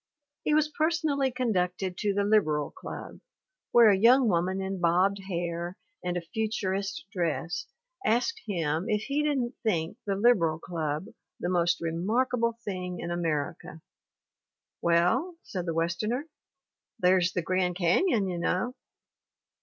He was per sonally conducted to the Liberal Club where a young woman in bobbed hair and a futurist dress asked him if he didn't think the Liberal Club the most remark able thing in America. MARY AUSTIN 171 "'Well,' said the Westerner, 'there's the Grand Canyon, you know.'